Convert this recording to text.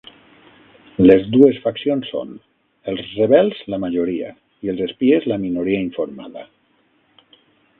Les dues faccions són: els rebels, la majoria; i els espies, la minoria informada.